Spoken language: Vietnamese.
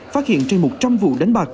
phát hiện trên một trăm linh vụ đánh bạc